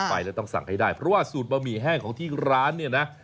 ไปแล้วต้องสั่งให้ได้เพราะว่าสูตรบะหมี่แห้งของที่ร้านเนี่ยนะ